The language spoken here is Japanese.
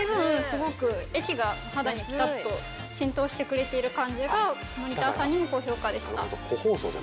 すごく液が肌にピタッと浸透してくれている感じがモニターさんにも高評価でした。